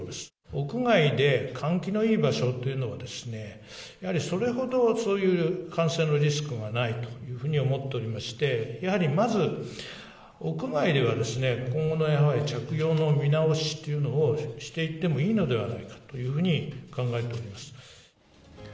屋外で換気のいい場所というのは、やはり、それほど、そういう感染のリスクがないというふうに思っておりまして、やはりまず屋外ではですね、今後のやはり着用の見直しというのをしていってもいいのではないかというふうに考えております。